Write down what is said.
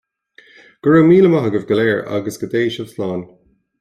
Go raibh míle maith agaibh go léir, agus go dté sibh slán